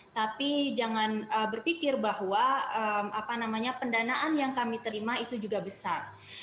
tapi jangan berpikir bahwa pendanaan yang kami terima itu juga besar